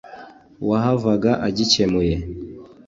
wahavaga agikemuye